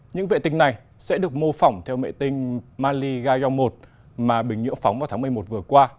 những vệ tinh này sẽ được mô phỏng theo mệ tinh mali gaion một mà bình nhưỡng phóng vào tháng một mươi một vừa qua